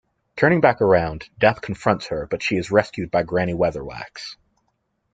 Turning back around, Death confronts her but she is rescued by Granny Weatherwax.